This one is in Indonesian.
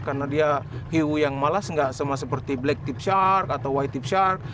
karena dia hiu yang malas nggak sama seperti black tip shark atau white tip shark